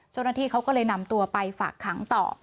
เจ้าหน้าที่เขาก็เลยนำตัวไปฝากขังต่อ